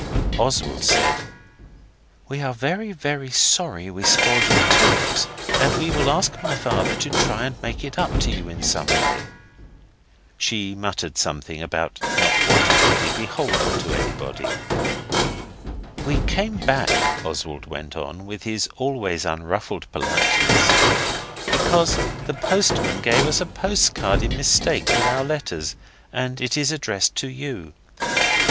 Oswald said, 'We are very, very sorry we spoiled your turnips, and we will ask my father to try and make it up to you some other way.' She muttered something about not wanting to be beholden to anybody. 'We came back,' Oswald went on, with his always unruffled politeness, 'because the postman gave us a postcard in mistake with our letters, and it is addressed to you.